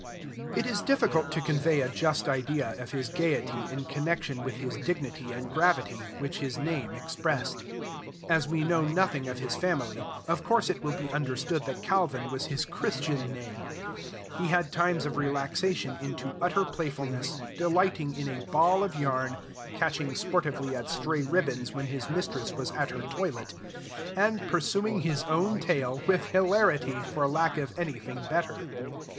It is difficult to convey a just idea of his gayety in connection with his dignity and gravity, which his name expressed. As we know nothing of his family, of course it will be understood that Calvin was his Christian name. He had times of relaxation into utter playfulness, delighting in a ball of yarn, catching sportively at stray ribbons when his mistress was at her toilet, and pursuing his own tail, with hilarity, for lack of anything better.